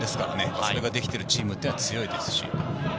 それができているチームは強いですし。